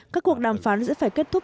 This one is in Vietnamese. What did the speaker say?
các cuộc đàm phán sẽ phải kết thúc